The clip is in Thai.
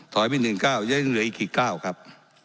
ไป๑๙ยังเหลืออีกกี่ก้าวครับ